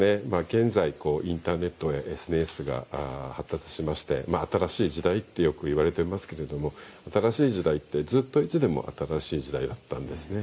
現在インターネットやＳＮＳが発達しまして新しい時代とよくわれていますけど新しい時代って、ずっといつでも新しい時代だったんですね。